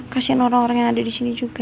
kasian orang orang yang ada di sini juga